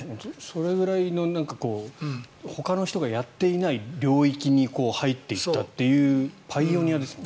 それぐらいのほかの人がやっていない領域に入っていったというパイオニアですもんね。